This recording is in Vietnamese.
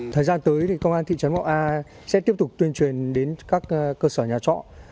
thời gian tới thì công an thị trấn mậu a sẽ tiếp tục tuyên truyền đến các cơ sở nhà trọ